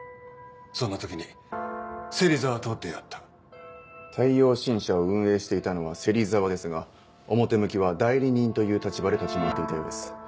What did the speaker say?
そんな時に芹沢と出会った太陽新社を運営していたのは芹沢ですが表向きは代理人という立場で立ち回っていたようです